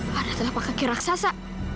pada telah pak kaki raksasa